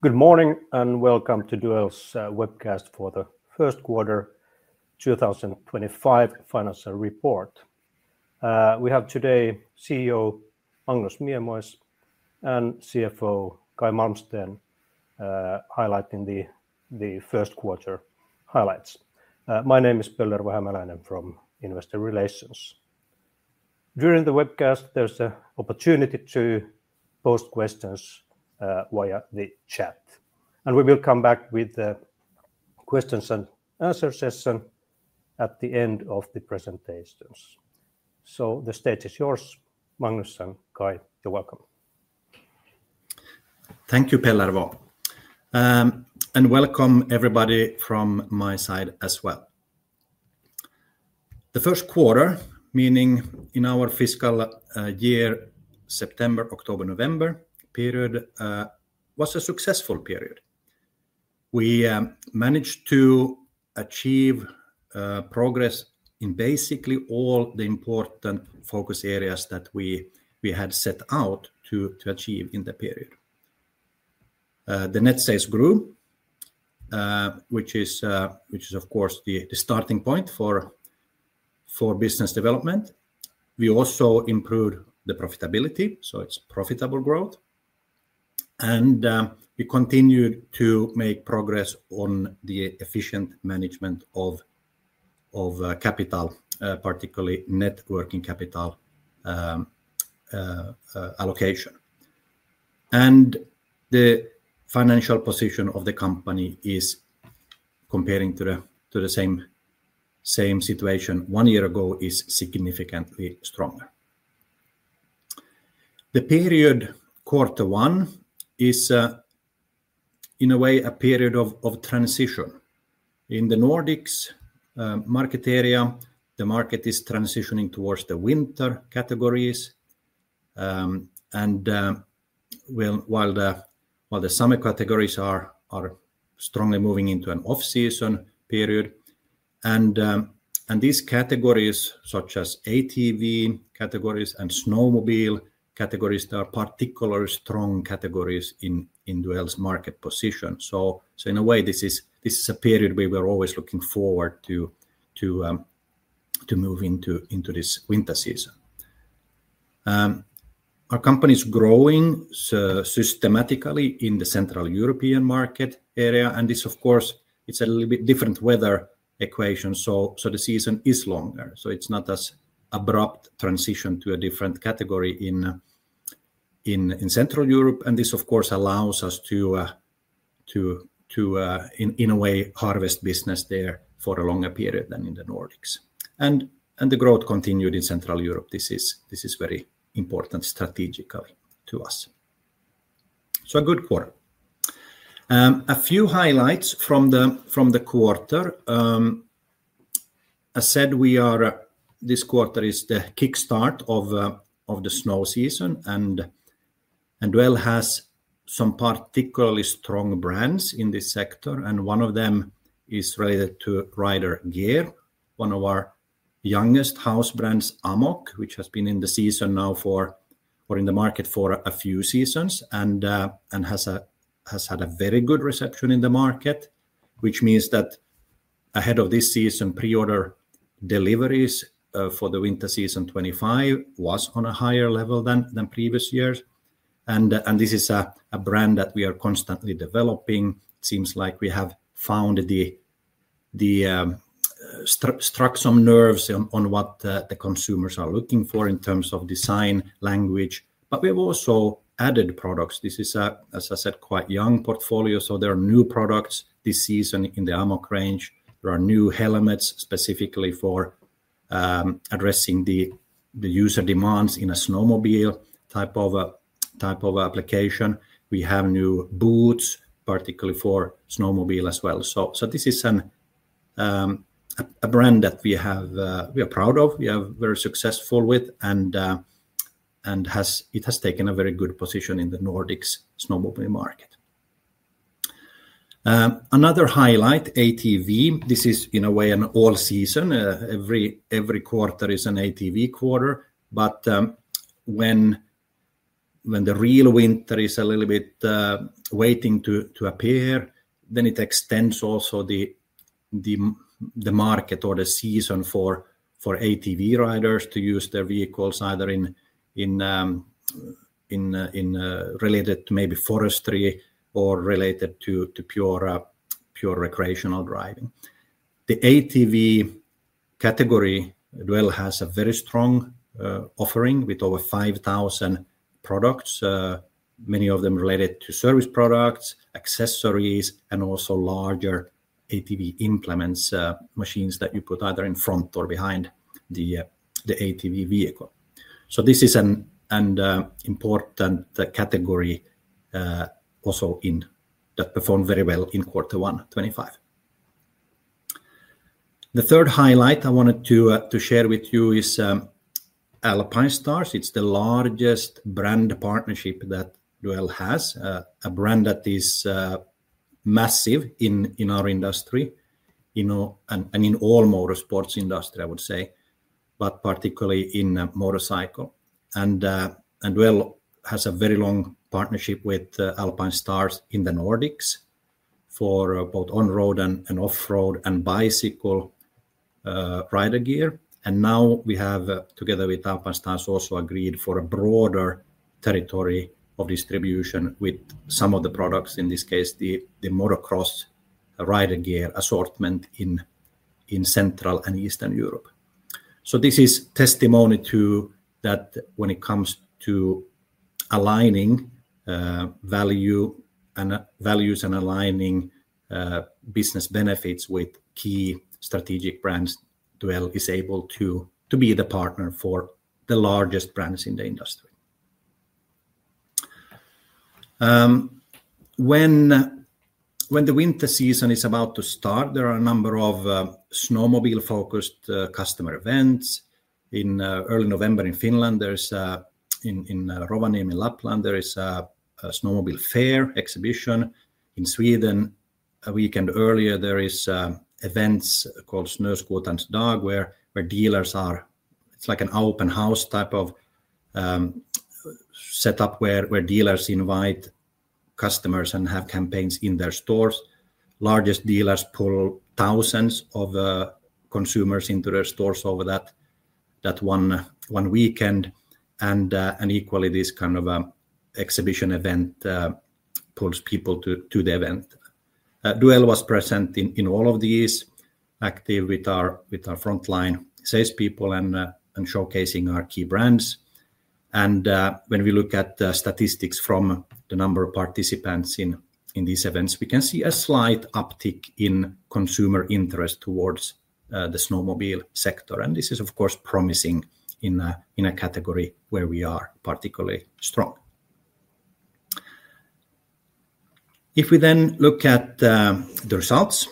Good morning and welcome to Duell's webcast for the first quarter 2025 financial report. We have today CEO Magnus Miemois and CFO Caj Malmsten highlighting the first quarter highlights. My name is Pellervo Hämäläinen from Investor Relations. During the webcast, there's an opportunity to post questions via the chat, and we will come back with the questions and answer session at the end of the presentations, so the stage is yours, Magnus and Caj, you're welcome. Thank you, Pellervo, and welcome everybody from my side as well. The first quarter, meaning in our fiscal year September, October, November period, was a successful period. We managed to achieve progress in basically all the important focus areas that we had set out to achieve in the period. The net sales grew, which is, of course, the starting point for business development. We also improved the profitability, so it's profitable growth. And we continued to make progress on the efficient management of capital, particularly net working capital allocation. And the financial position of the company is, comparing to the same situation one year ago, is significantly stronger. The period quarter one is, in a way, a period of transition. In the Nordics market area, the market is transitioning towards the winter categories, and while the summer categories are strongly moving into an off-season period. These categories, such as ATV categories and snowmobile categories, are particularly strong categories in Duell's market position. In a way, this is a period we were always looking forward to move into this winter season. Our company is growing systematically in the Central European market area, and this, of course, it's a little bit different weather equation. The season is longer, so it's not as abrupt a transition to a different category in Central Europe. This, of course, allows us to, in a way, harvest business there for a longer period than in the Nordics. The growth continued in Central Europe. This is very important strategically to us. A good quarter. A few highlights from the quarter. As I said, this quarter is the kickstart of the snow season, and Duell has some particularly strong brands in this sector. One of them is related to rider gear, one of our youngest house brands, Amoq, which has been in the market for a few seasons, and has had a very good reception in the market, which means that ahead of this season, pre-order deliveries for the winter season 2025 was on a higher level than previous years. This is a brand that we are constantly developing. It seems like we have struck some nerves on what the consumers are looking for in terms of design language, but we have also added products. This is, as I said, quite a young portfolio, so there are new products this season in the Amoq range. There are new helmets specifically for addressing the user demands in a snowmobile type of application. We have new boots, particularly for snowmobile as well. This is a brand that we are proud of, we are very successful with, and it has taken a very good position in the Nordics snowmobile market. Another highlight, ATV, this is in a way an all season. Every quarter is an ATV quarter, but when the real winter is a little bit waiting to appear, then it extends also the market or the season for ATV riders to use their vehicles either in related to maybe forestry or related to pure recreational driving. The ATV category, Duell has a very strong offering with over 5,000 products, many of them related to service products, accessories, and also larger ATV implements, machines that you put either in front or behind the ATV vehicle. This is an important category also that performed very well in quarter one 2025. The third highlight I wanted to share with you is Alpinestars. It's the largest brand partnership that Duell has, a brand that is massive in our industry and in all motorsports industry, I would say, but particularly in motorcycle. Duell has a very long partnership with Alpinestars in the Nordics for both on-road and off-road and bicycle rider gear. Now we have, together with Alpinestars, also agreed for a broader territory of distribution with some of the products, in this case, the motocross rider gear assortment in Central and Eastern Europe. This is testimony to that when it comes to aligning values and aligning business benefits with key strategic brands. Duell is able to be the partner for the largest brands in the industry. When the winter season is about to start, there are a number of snowmobile-focused customer events. In early November in Finland, in Rovaniemi, Lapland, there is a snowmobile fair exhibition. In Sweden, a weekend earlier, there are events called Snöskoterns Dag, where dealers are. It's like an open house type of setup where dealers invite customers and have campaigns in their stores. Largest dealers pull thousands of consumers into their stores over that one weekend. And equally, this kind of exhibition event pulls people to the event. Duell was present in all of these, active with our frontline salespeople and showcasing our key brands. And when we look at the statistics from the number of participants in these events, we can see a slight uptick in consumer interest towards the snowmobile sector. And this is, of course, promising in a category where we are particularly strong. If we then look at the results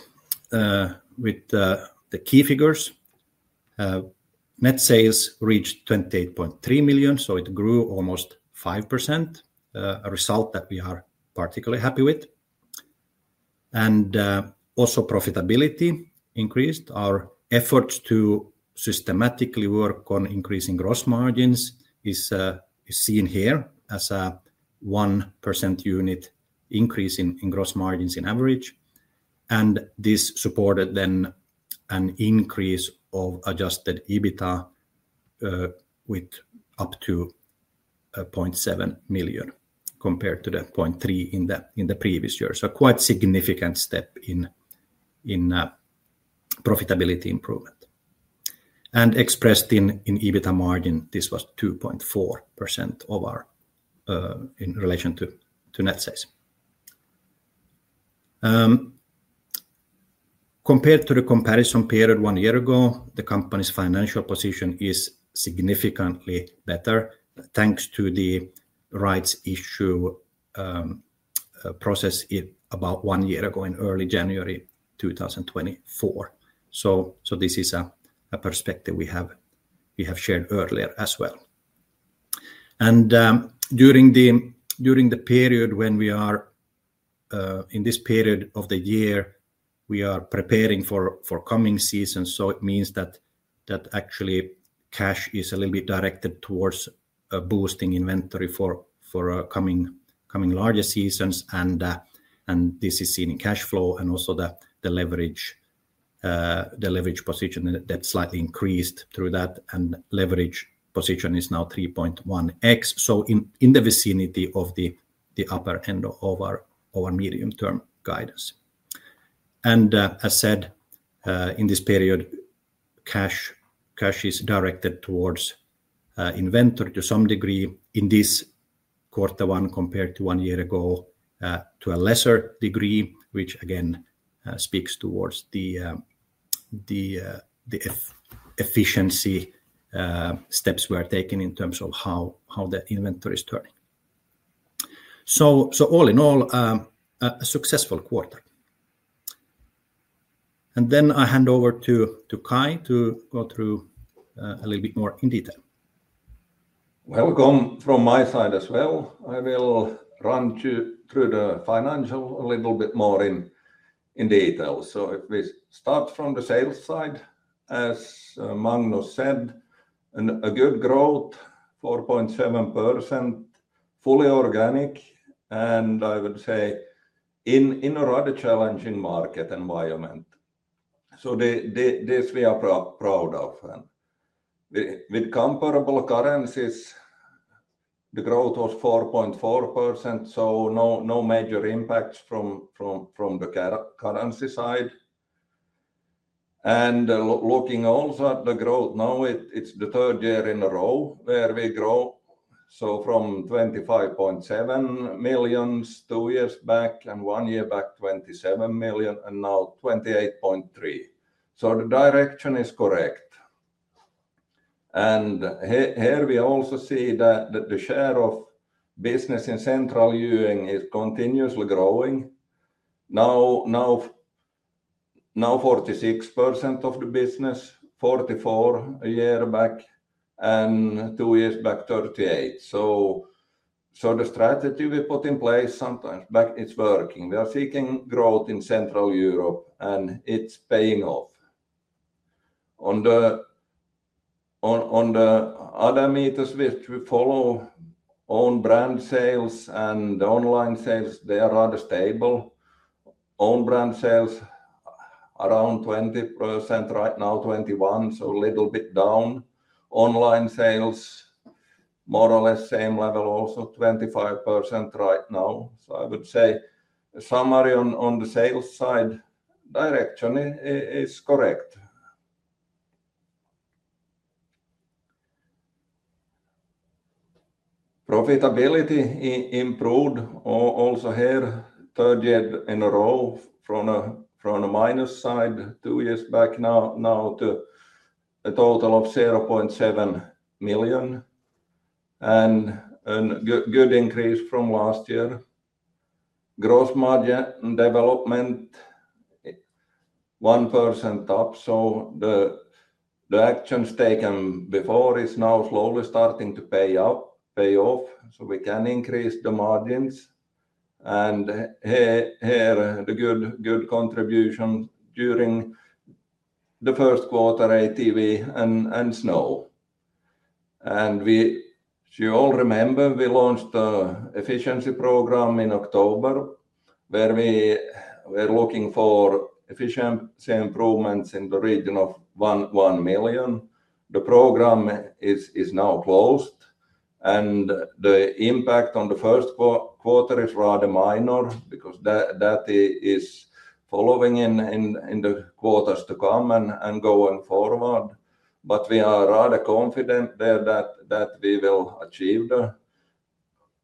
with the key figures, net sales reached 28.3 million, so it grew almost 5%, a result that we are particularly happy with. And also profitability increased. Our efforts to systematically work on increasing gross margins is seen here as a 1% unit increase in gross margins in average. And this supported then an increase of adjusted EBITDA with up to 0.7 million compared to the 0.3 million in the previous year. So quite a significant step in profitability improvement. And expressed in EBITDA margin, this was 2.4% in relation to net sales. Compared to the comparison period one year ago, the company's financial position is significantly better thanks to the rights issue process about one year ago in early January 2024. So this is a perspective we have shared earlier as well. And during the period when we are in this period of the year, we are preparing for coming seasons. So it means that actually cash is a little bit directed towards boosting inventory for coming larger seasons. This is seen in cash flow and also the leverage position that slightly increased through that. The leverage position is now 3.1x, so in the vicinity of the upper end of our medium-term guidance. As I said, in this period, cash is directed towards inventory to some degree in this quarter one compared to one year ago to a lesser degree, which again speaks towards the efficiency steps we are taking in terms of how the inventory is turning. So all in all, a successful quarter. Then I hand over to Caj to go through a little bit more in detail. Welcome from my side as well. I will run through the financial a little bit more in detail. So if we start from the sales side, as Magnus said, a good growth, 4.7%, fully organic, and I would say in a rather challenging market environment. So this we are proud of. With comparable currencies, the growth was 4.4%, so no major impacts from the currency side. And looking also at the growth now, it's the third year in a row where we grow. So from 25.7 million two years back and one year back 27 million, and now 28.3 million. So the direction is correct. And here we also see that the share of business in Central Europe is continuously growing. Now 46% of the business, 44% a year back, and two years back 38%. So the strategy we put in place some time back is working. We are seeking growth in Central Europe, and it's paying off. On the other meters which we follow, own brand sales and online sales, they are rather stable. Own brand sales around 20% right now, 21, so a little bit down. Online sales more or less same level also, 25% right now. So I would say a summary on the sales side direction is correct. Profitability improved also here, third year in a row from a minus side two years back now to a total of 0.7 million. And a good increase from last year. Gross margin development 1% up, so the actions taken before is now slowly starting to pay off, so we can increase the margins. And here the good contribution during the first quarter ATV and snow. You all remember we launched the efficiency program in October where we are looking for efficiency improvements in the region of 1 million. The program is now closed, and the impact on the first quarter is rather minor because that is following in the quarters to come and going forward. We are rather confident there that we will achieve the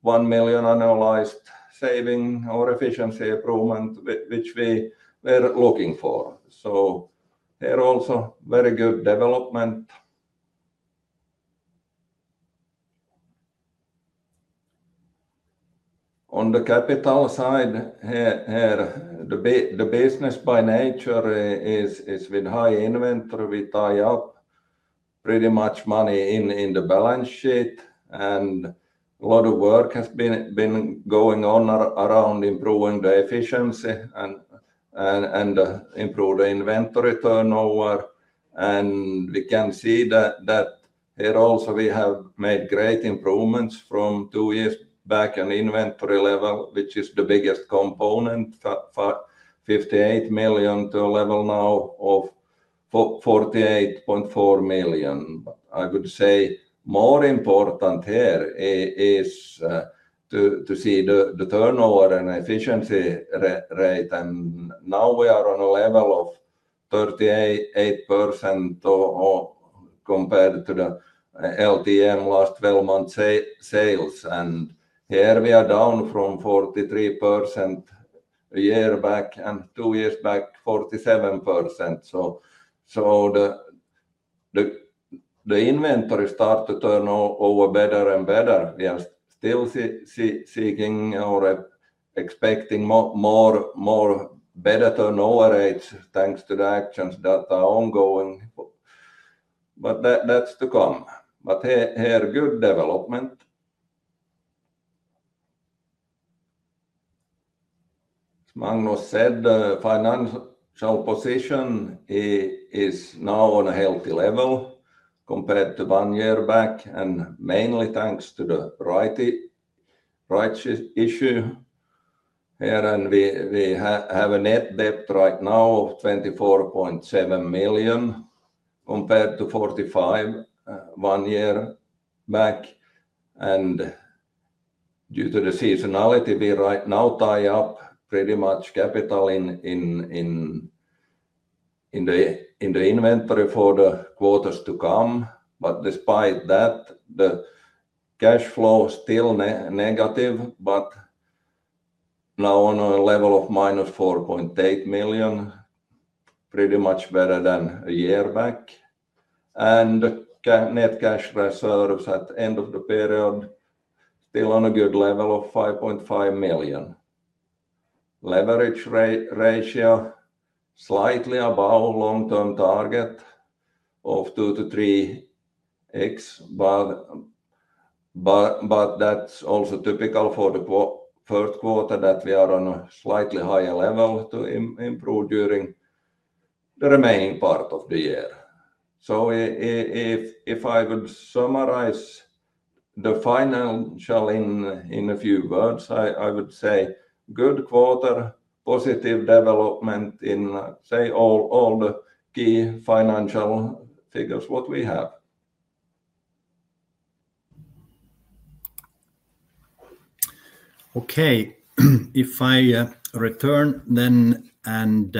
1 million annualized saving or efficiency improvement which we were looking for. Here also very good development. On the capital side, here the business by nature is with high inventory, we tie up pretty much money in the balance sheet, and a lot of work has been going on around improving the efficiency and improving the inventory turnover. We can see that here also we have made great improvements from two years back in inventory level, which is the biggest component, 58 million to a level now of 48.4 million. But I would say more important here is to see the turnover and efficiency rate, and now we are on a level of 38% compared to the LTM last 12 months sales. And here we are down from 43% a year back and two years back 47%. So the inventory start to turn over better and better. We are still seeking or expecting more better turnover rates thanks to the actions that are ongoing. But that's to come. But here, good development. As Magnus said, the financial position is now on a healthy level compared to one year back, and mainly thanks to the rights issue. Here we have a net debt right now of 24.7 million compared to 45 million one year back. And due to the seasonality, we right now tie up pretty much capital in the inventory for the quarters to come. But despite that, the cash flow is still negative, but now on a level of minus 4.8 million, pretty much better than a year back. And the net cash reserves at the end of the period are still on a good level of 5.5 million. Leverage ratio is slightly above long-term target of 2-3x, but that's also typical for the first quarter that we are on a slightly higher level to improve during the remaining part of the year. So if I would summarize the financial in a few words, I would say good quarter, positive development in, say, all the key financial figures what we have. Okay, if I return then and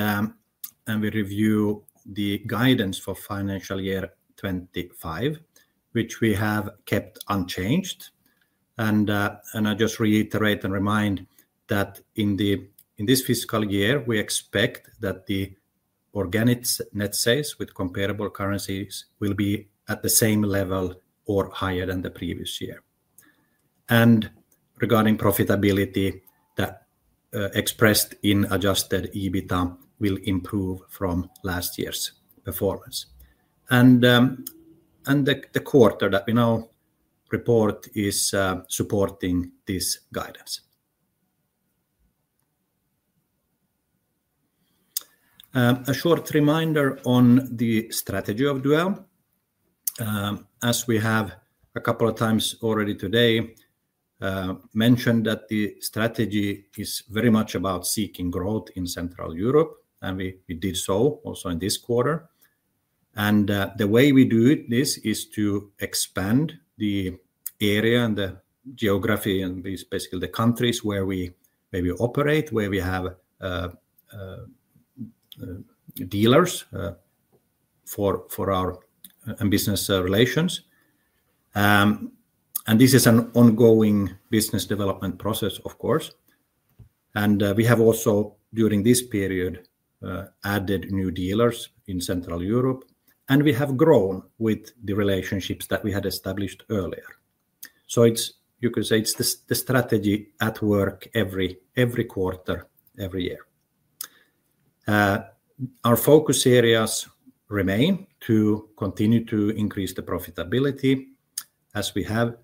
we review the guidance for financial year 2025, which we have kept unchanged, and I just reiterate and remind that in this fiscal year, we expect that the organic net sales with comparable currencies will be at the same level or higher than the previous year, and regarding profitability, that expressed in adjusted EBITDA will improve from last year's performance. And the quarter that we now report is supporting this guidance. A short reminder on the strategy of Duell. As we have a couple of times already today mentioned that the strategy is very much about seeking growth in Central Europe, and we did so also in this quarter, and the way we do this is to expand the area and the geography and basically the countries where we operate, where we have dealers for our business relations. This is an ongoing business development process, of course. We have also during this period added new dealers in Central Europe, and we have grown with the relationships that we had established earlier. You could say it's the strategy at work every quarter, every year. Our focus areas remain to continue to increase the profitability as we have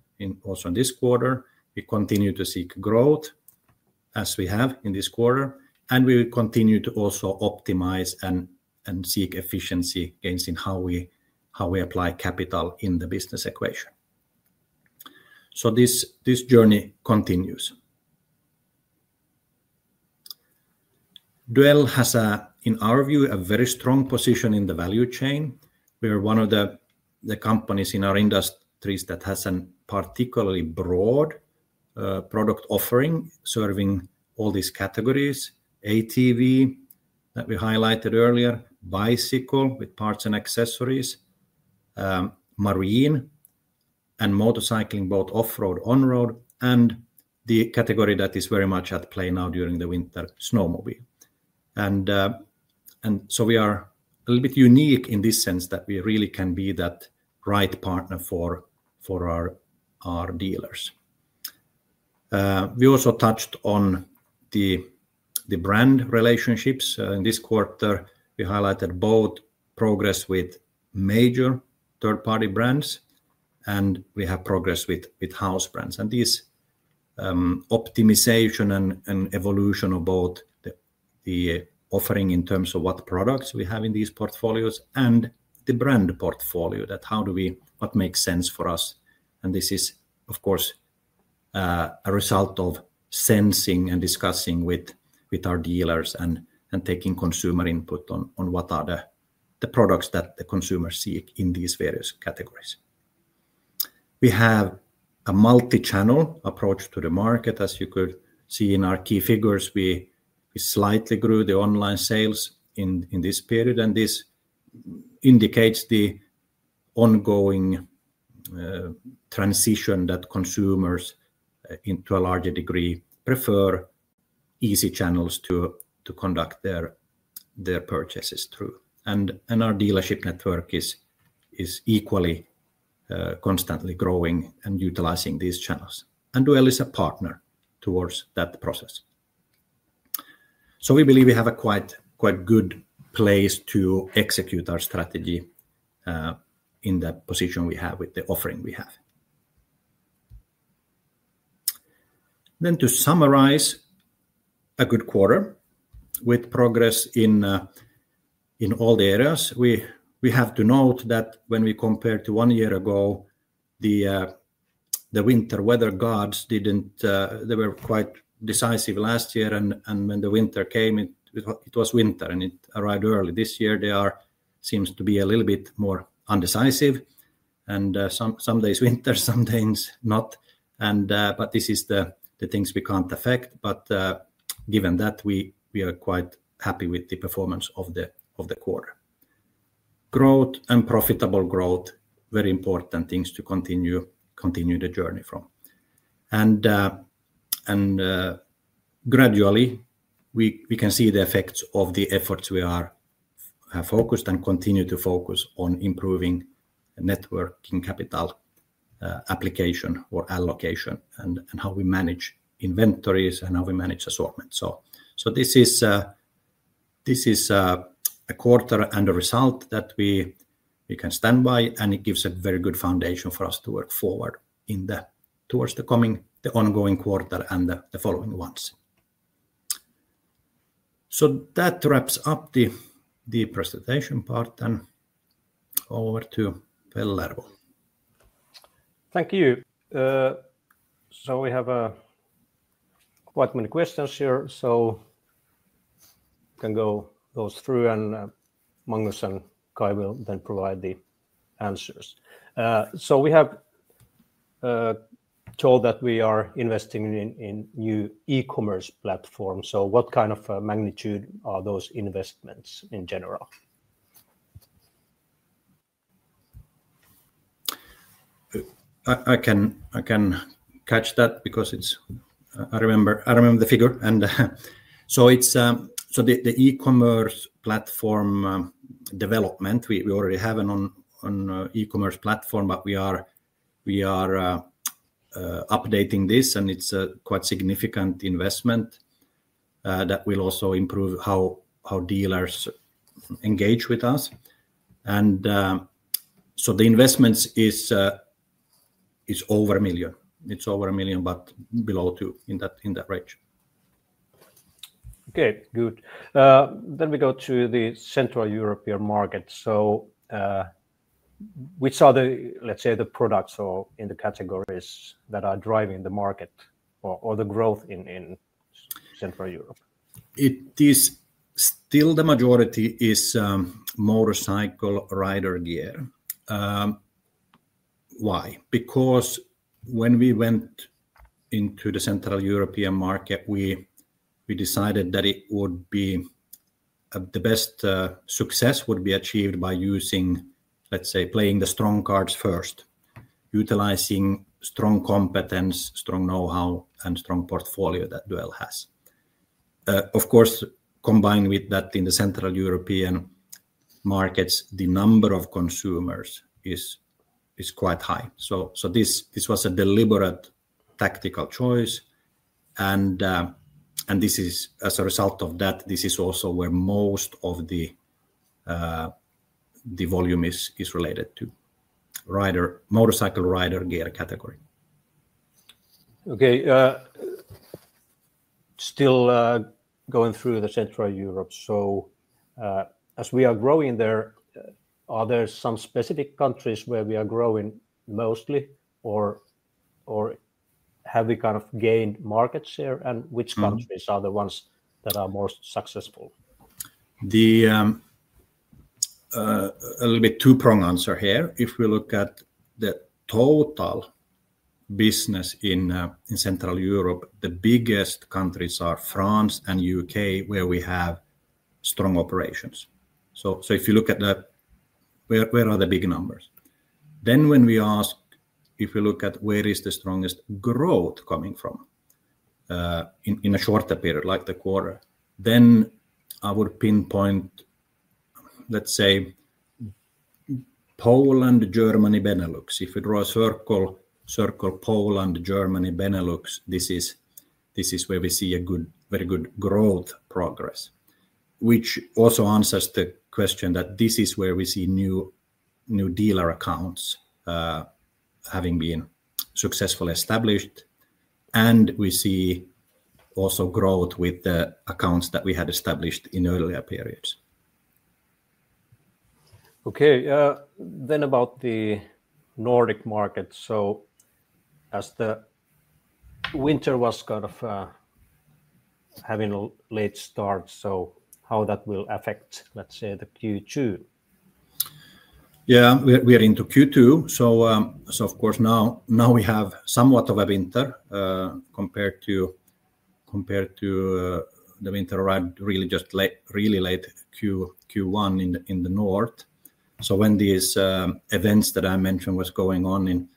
also in this quarter. We continue to seek growth as we have in this quarter, and we continue to also optimize and seek efficiency gains in how we apply capital in the business equation. This journey continues. Duell has, in our view, a very strong position in the value chain. We are one of the companies in our industries that has a particularly broad product offering serving all these categories: ATV that we highlighted earlier, bicycle with parts and accessories, marine and motorcycling, both off-road, on-road, and the category that is very much at play now during the winter, snowmobile, and so we are a little bit unique in this sense that we really can be that right partner for our dealers. We also touched on the brand relationships. In this quarter, we highlighted both progress with major third-party brands, and we have progress with house brands, and this optimization and evolution of both the offering in terms of what products we have in these portfolios and the brand portfolio, that how do we what makes sense for us. This is, of course, a result of sensing and discussing with our dealers and taking consumer input on what are the products that the consumers seek in these various categories. We have a multi-channel approach to the market, as you could see in our key figures. We slightly grew the online sales in this period, and this indicates the ongoing transition that consumers to a larger degree prefer easy channels to conduct their purchases through. Our dealership network is equally constantly growing and utilizing these channels. Duell is a partner toward that process. We believe we have a quite good place to execute our strategy in the position we have with the offering we have. Then, to summarize a good quarter with progress in all the areas, we have to note that when we compare to one year ago, the winter weather gods. They were quite decisive last year, and when the winter came, it was winter and it arrived early. This year, they seem to be a little bit more indecisive, and some days winter, some days not. But this is the things we can't affect. But given that, we are quite happy with the performance of the quarter. Growth and profitable growth, very important things to continue the journey from, and gradually, we can see the effects of the efforts we are focused and continue to focus on improving net working capital application or allocation and how we manage inventories and how we manage assortment. So this is a quarter and a result that we can stand by, and it gives a very good foundation for us to work forward towards the ongoing quarter and the following ones. So that wraps up the presentation part, and over to Pellervo. Thank you. So we have quite many questions here, so we can go through, and Magnus and Caj will then provide the answers. So we have told that we are investing in new e-commerce platforms. So what kind of magnitude are those investments in general? I can catch that because I remember the figure, and so the e-commerce platform development, we already have an e-commerce platform, but we are updating this, and it's a quite significant investment that will also improve how dealers engage with us, and so the investment is over 1 million. It's over 1 million, but below 2 million in that range. Okay, good. Then we go to the Central European market. So which are the, let's say, the products or in the categories that are driving the market or the growth in Central Europe? It is still the majority is motorcycle rider gear. Why? Because when we went into the Central European market, we decided that it would be the best success would be achieved by using, let's say, playing the strong cards first, utilizing strong competence, strong know-how, and strong portfolio that Duell has. Of course, combined with that in the Central European markets, the number of consumers is quite high. So this was a deliberate tactical choice, and this is as a result of that, this is also where most of the volume is related to motorcycle rider gear category. Okay, still going through the Central Europe. So as we are growing there, are there some specific countries where we are growing mostly, or have we kind of gained market share, and which countries are the ones that are more successful? A little bit two-pronged answer here. If we look at the total business in Central Europe, the biggest countries are France and the U.K., where we have strong operations. So if you look at that, where are the big numbers? Then when we ask if we look at where is the strongest growth coming from in a shorter period, like the quarter, then I would pinpoint, let's say, Poland, Germany, Benelux. If we draw a circle, Poland, Germany, Benelux, this is where we see a very good growth progress, which also answers the question that this is where we see new dealer accounts having been successfully established, and we see also growth with the accounts that we had established in earlier periods. Okay, then about the Nordic markets. So as the winter was kind of having a late start, so how that will affect, let's say, the Q2? Yeah, we are into Q2. So of course, now we have somewhat of a winter compared to the winter around really late Q1 in the north. So when these events that I mentioned were going on in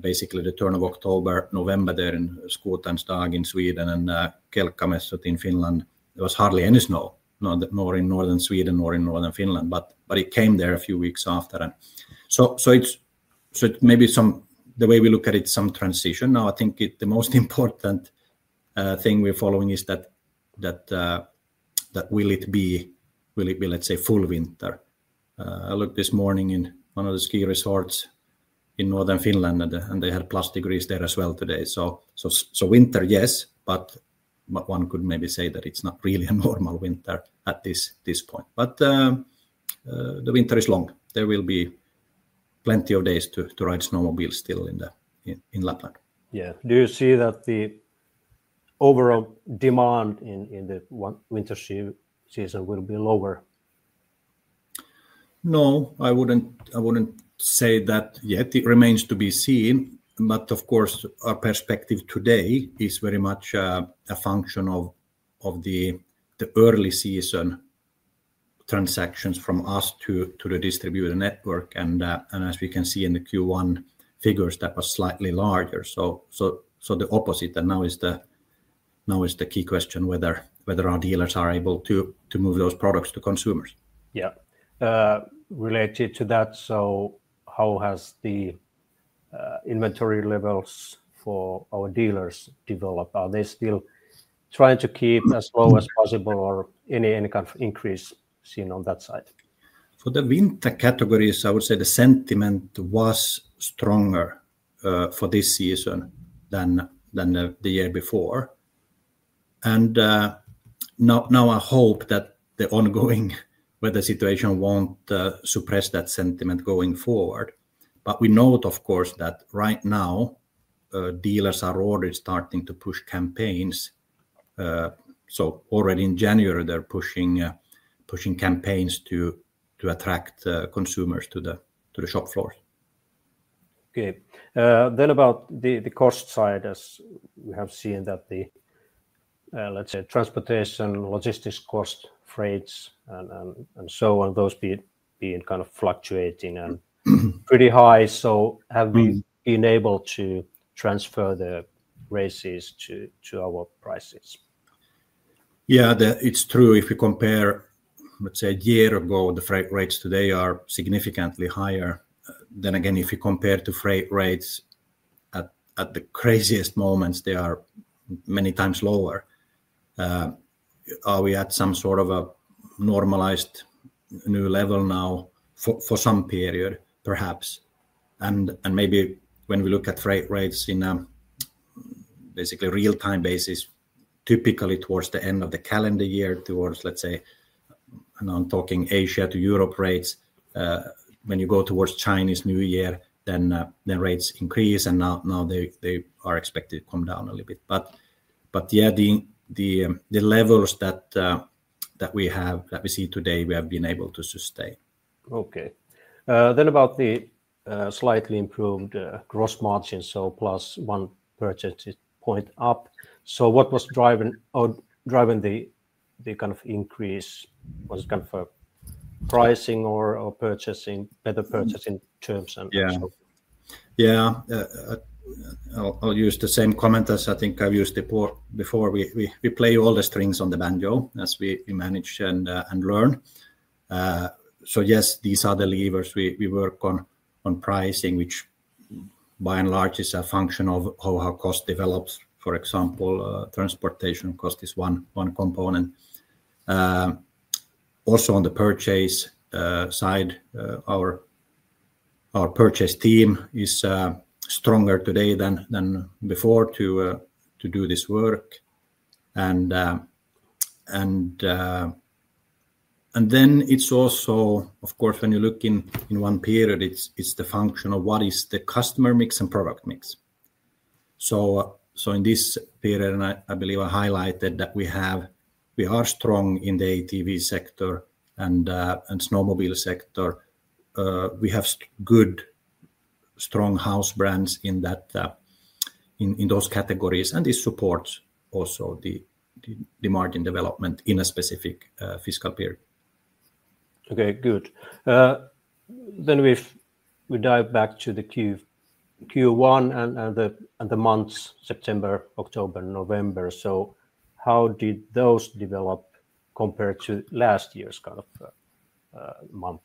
basically the turn of October, November there in Snöskoterns Dag in Sweden and Kelekkamessut in Finland, there was hardly any snow in northern Sweden or in northern Finland, but it came there a few weeks after. So it's maybe the way we look at it, some transition. Now, I think the most important thing we're following is that will it be, let's say, full winter? I looked this morning in one of the ski resorts in northern Finland, and they had plus degrees there as well today. So winter, yes, but one could maybe say that it's not really a normal winter at this point. But the winter is long. There will be plenty of days to ride snowmobiles still in Lapland. Yeah, do you see that the overall demand in the winter season will be lower? No, I wouldn't say that yet. It remains to be seen. But of course, our perspective today is very much a function of the early season transactions from us to the distributed network. And as we can see in the Q1 figures, that was slightly larger. So the opposite now is the key question whether our dealers are able to move those products to consumers. Yeah, related to that, so how has the inventory levels for our dealers developed? Are they still trying to keep as low as possible or any kind of increase seen on that side? For the winter categories, I would say the sentiment was stronger for this season than the year before. And now I hope that the ongoing weather situation won't suppress that sentiment going forward. But we note, of course, that right now dealers are already starting to push campaigns. So already in January, they're pushing campaigns to attract consumers to the shop floors. Okay, then about the cost side, as we have seen that the transportation, logistics costs, freights, and so on, those being kind of fluctuating and pretty high. So have we been able to transfer the raises to our prices? Yeah, it's true. If we compare, let's say, a year ago, the freight rates today are significantly higher. Then again, if you compare to freight rates at the craziest moments, they are many times lower. Are we at some sort of a normalized new level now for some period, perhaps? And maybe when we look at freight rates in a basically real-time basis, typically towards the end of the calendar year, towards, let's say, and I'm talking Asia to Europe rates, when you go towards Chinese New Year, then rates increase, and now they are expected to come down a little bit. But yeah, the levels that we see today, we have been able to sustain. Okay, then about the slightly improved gross margin, so plus one percentage point up. So what was driving the kind of increase? Was it kind of pricing or better purchasing terms? Yeah, I'll use the same comment as I think I've used before. We play all the strings on the banjo as we manage and learn. So yes, these are the levers we work on pricing, which by and large is a function of how cost develops. For example, transportation cost is one component. Also on the purchase side, our purchase team is stronger today than before to do this work. And then it's also, of course, when you look in one period, it's the function of what is the customer mix and product mix. So in this period, and I believe I highlighted that we are strong in the ATV sector and snowmobile sector, we have good strong house brands in those categories, and this supports also the margin development in a specific fiscal period. Okay, good, then we dive back to the Q1 and the months, September, October, November, so how did those develop compared to last year's kind of month?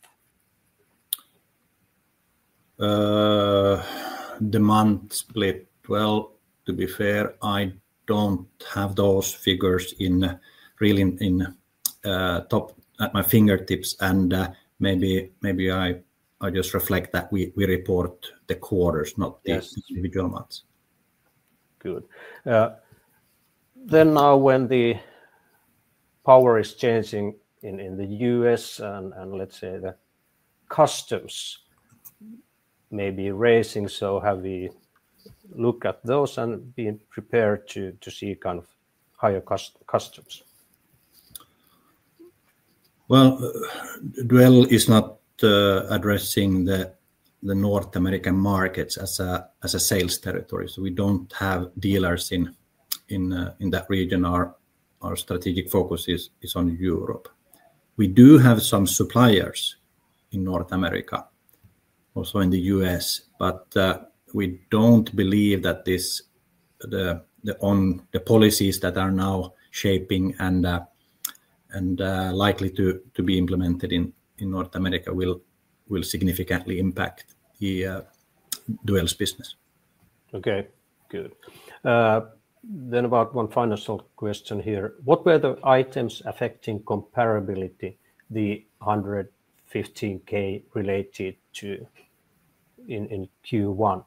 The month split, well, to be fair, I don't have those figures really at my fingertips, and maybe I just reflect that we report the quarters, not the individual months. Good. Then now when the power is changing in the U.S. and let's say the customs may be raising, so have we looked at those and been prepared to see kind of higher customs? Duell is not addressing the North American markets as a sales territory. So we don't have dealers in that region. Our strategic focus is on Europe. We do have some suppliers in North America, also in the U.S., but we don't believe that the policies that are now shaping and likely to be implemented in North America will significantly impact Duell's business. Okay, good. Then about one final question here. What were the items affecting comparability, the 115,000 related to in Q1?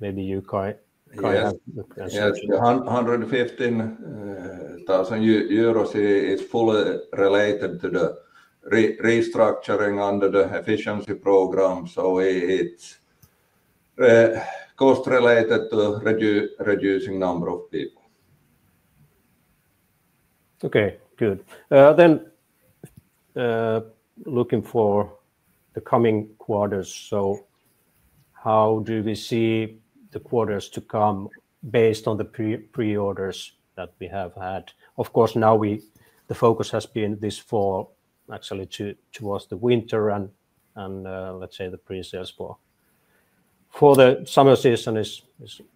Maybe you, Caj, have answered. EUR 115,000 is fully related to the restructuring under the efficiency program. So it's cost related to reducing number of people. Okay, good. Then looking for the coming quarters, so how do we see the quarters to come based on the pre-orders that we have had? Of course, now the focus has been this fall, actually towards the winter, and let's say the pre-sales for the summer season is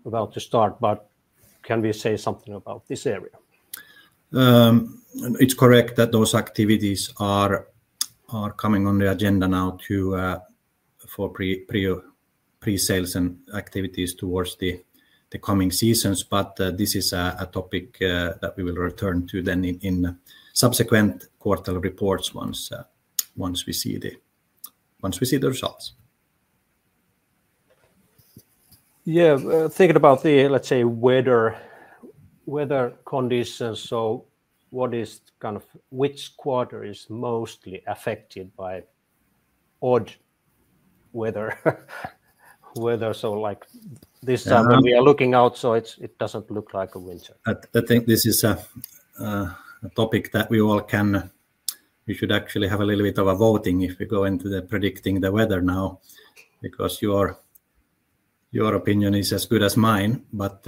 about to start, but can we say something about this area? It's correct that those activities are coming on the agenda now for pre-sales and activities towards the coming seasons, but this is a topic that we will return to then in subsequent quarterly reports once we see the results. Yeah, thinking about the, let's say, weather conditions, so what is kind of which quarter is mostly affected by odd weather? So like this time when we are looking out, so it doesn't look like a winter. I think this is a topic that we all can, we should actually have a little bit of a voting if we go into the predicting the weather now, because your opinion is as good as mine, but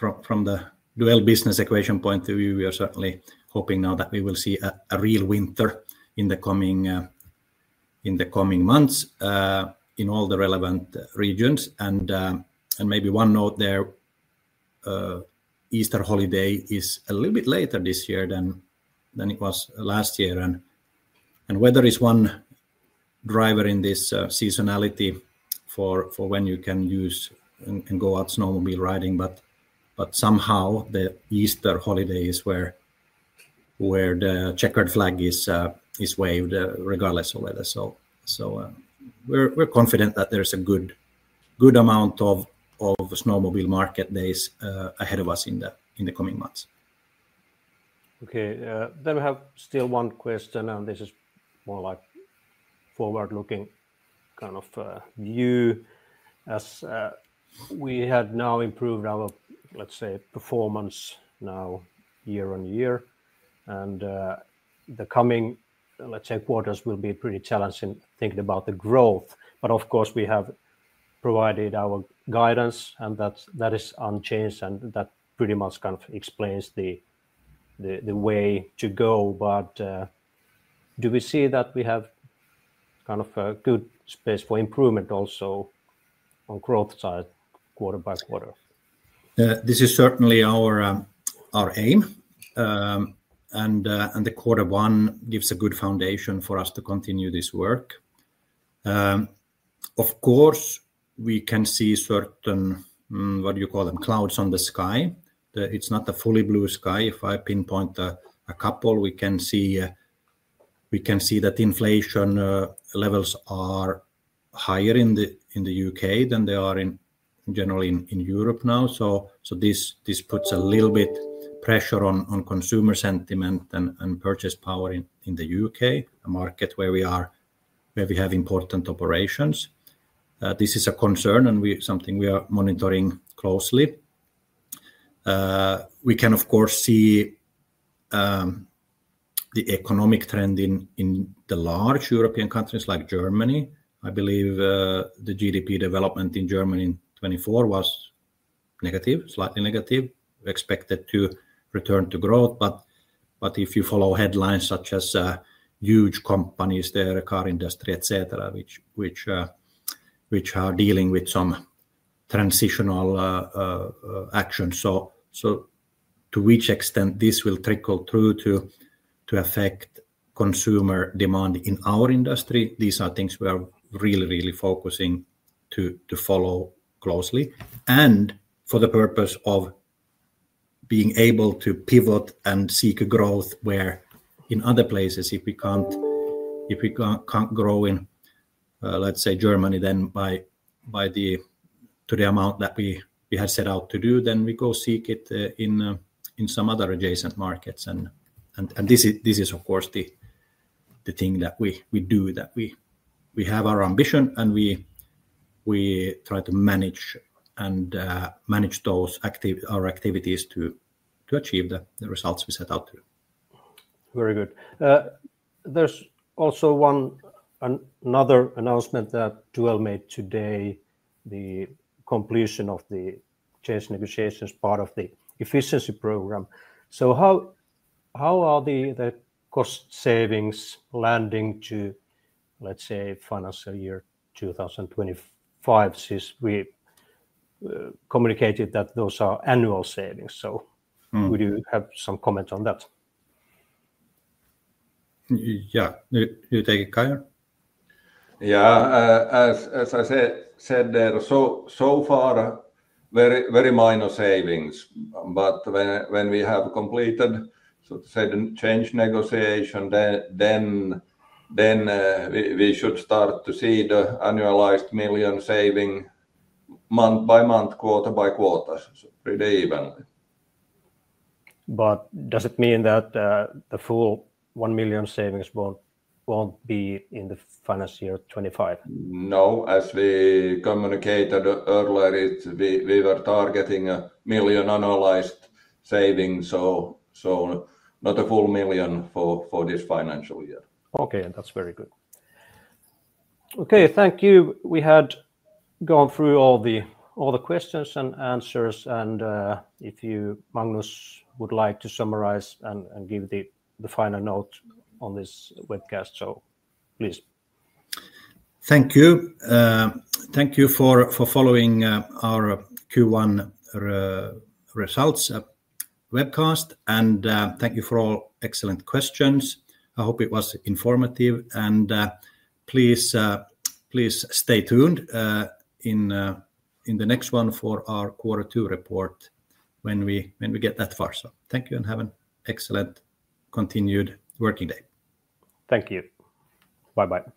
from the Duell business equation point of view, we are certainly hoping now that we will see a real winter in the coming months in all the relevant regions. And maybe one note there, Easter holiday is a little bit later this year than it was last year. And weather is one driver in this seasonality for when you can use and go out snowmobile riding, but somehow the Easter holiday is where the checkered flag is waved regardless of weather. So we're confident that there's a good amount of snowmobile market days ahead of us in the coming months. Okay, then we have still one question, and this is more like forward-looking kind of view. As we have now improved our, let's say, performance now year on year, and the coming, let's say, quarters will be pretty challenging thinking about the growth. But of course, we have provided our guidance, and that is unchanged, and that pretty much kind of explains the way to go. But do we see that we have kind of a good space for improvement also on growth side, quarter by quarter? This is certainly our aim, and the quarter one gives a good foundation for us to continue this work. Of course, we can see certain, what do you call them, clouds on the sky. It's not a fully blue sky. If I pinpoint a couple, we can see that inflation levels are higher in the U.K. than they are generally in Europe now. So this puts a little bit of pressure on consumer sentiment and purchase power in the U.K., a market where we have important operations. This is a concern and something we are monitoring closely. We can, of course, see the economic trend in the large European countries like Germany. I believe the GDP development in Germany in 2024 was negative, slightly negative. We expected to return to growth, but if you follow headlines such as huge companies there, car industry, etc., which are dealing with some transitional actions, so to which extent this will trickle through to affect consumer demand in our industry. These are things we are really, really focusing to follow closely, and for the purpose of being able to pivot and seek growth where in other places, if we can't grow in, let's say, Germany, then by the amount that we had set out to do, then we go seek it in some other adjacent markets, and this is, of course, the thing that we do, that we have our ambition and we try to manage and manage our activities to achieve the results we set out to. Very good. There's also another announcement that Duell made today, the completion of the change negotiations part of the efficiency program. So how are the cost savings landing to, let's say, financial year 2025? Since we communicated that those are annual savings, so would you have some comment on that? Yeah, you take it, Caj. Yeah, as I said there, so far, very minor savings. But when we have completed, so to say, the change negotiation, then we should start to see the annualized million saving month by month, quarter by quarter, pretty evenly. But does it mean that the full 1 million savings won't be in the financial year 2025? No, as we communicated earlier, we were targeting a million annualized savings, so not a full million for this financial year. Okay, that's very good. Okay, thank you. We had gone through all the questions and answers, and if you, Magnus, would like to summarize and give the final note on this webcast, so please. Thank you. Thank you for following our Q1 results webcast, and thank you for all excellent questions. I hope it was informative, and please stay tuned in the next one for our quarter two report when we get that far. So thank you and have an excellent continued working day. Thank you. Bye-bye.